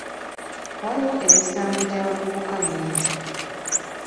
Waliwo emisango gy'abavubuka mingi.